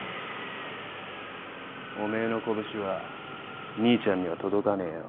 おめえの拳は兄ちゃんには届かねえよ。